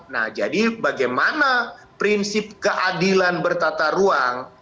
nah jadi bagaimana prinsip keadilan bertata ruang